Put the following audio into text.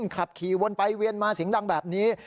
ขับขี่วนไปเวียนมาเสียงดังแบบนี้